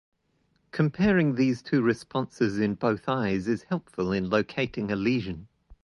Comparing these two responses in both eyes is helpful in locating a lesion.